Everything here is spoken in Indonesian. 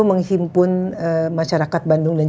menghimpun masyarakat bandung dan